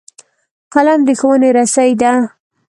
قلم د ښوونې رسۍ ده